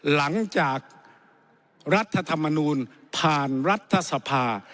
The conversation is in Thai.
หลังจากรัฐธรรมนูลผ่านรัฐสภา